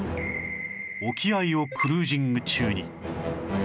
沖合をクルージング中に